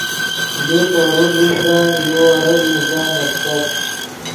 یو تورو لیڤدن یو ویرے لیڤدن استت